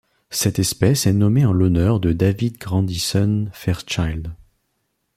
Cette espèce est nommée en l'honneur de David Grandison Fairchild.